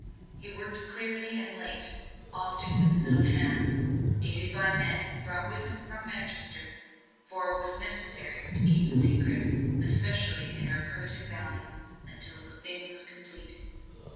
He worked early and late often with his own hands aided by the men he brought with him from Manchester. For it was necessary to keep the secret especially in our primitive valley until the thing was complete.